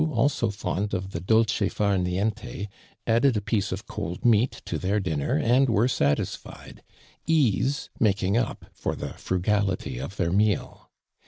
also fond of the dolce far nienie, added a piece of cold meat to tiieir dinner and were satisfitd ; ease making up for the frugality of their meal.